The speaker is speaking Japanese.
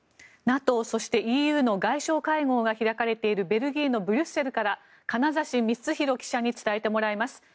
ＮＡＴＯ、そしてＥＵの外相会合が開かれているベルギーのブリュッセルから金指光宏記者に伝えてもらいます。